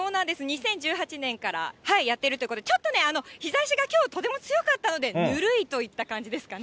２０１８年からやっているということで、日ざしがとても強かったので、ぬるいといった感じですかね。